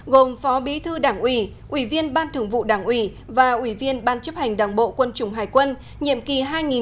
gồm phó bí thư đảng ủy ủy viên ban thường vụ đảng ủy và ủy viên ban chấp hành đảng bộ quân chủng hải quân nhiệm kỳ hai nghìn một mươi năm hai nghìn hai mươi